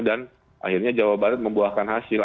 akhirnya jawa barat membuahkan hasil